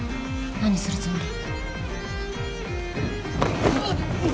何するつもり？